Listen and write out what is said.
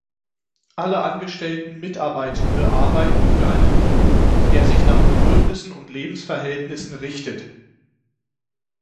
Alle angestellten Mitarbeitende arbeiten für einen Lohn, der sich nach Bedürfnissen und Lebensverhältnissen richtet.